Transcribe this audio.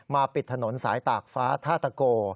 ปิดถนนสายตากฟ้าท่าตะโก